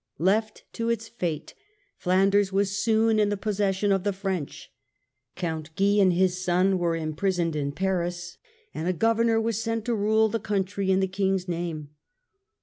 Left to its fate, Flanders was soon in the possession of the French ; Count Guy and his son were imprisoned in Paris, and a Governor was sent to rule the country in the King's name.